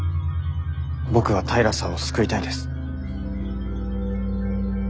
僕は平さんを救いたいです。